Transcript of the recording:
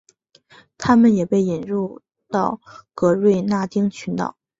它们也被引入到格瑞纳丁群岛。